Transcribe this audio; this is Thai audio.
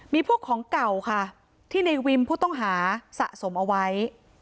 มีพวกของเก่าค่ะที่ในวิมผู้ต้องหาสะสมเอาไว้